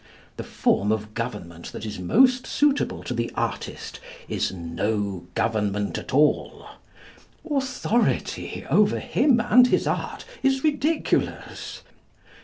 The form of government that is most suitable to the artist is no government at all. Authority over him and his art is ridiculous.